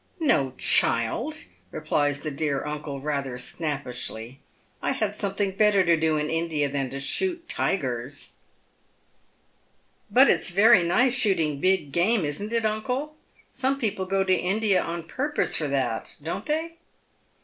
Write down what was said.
" No, child," replies the dear uncle rather snappishly, " I had something better to do iu India than to shoot tigers." " But it's veiy nice shooting big game, isn't it, uncle ? Some people go to India on purpose for that, don't they ?